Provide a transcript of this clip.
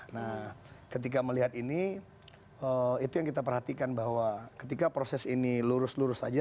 nah ketika melihat ini itu yang kita perhatikan bahwa ketika proses ini lurus lurus saja